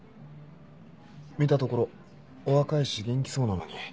見たところお若いし元気そうなのに。